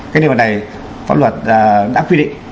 cái điều này pháp luật đã quy định